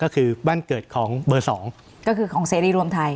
ก็คือบ้านเกิดของเบอร์สองก็คือของเสรีรวมไทย